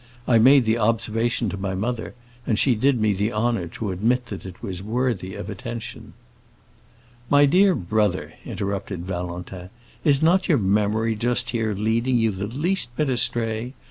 I made the observation to my mother, and she did me the honor to admit that it was worthy of attention." "My dear brother," interrupted Valentin, "is not your memory just here leading you the least bit astray?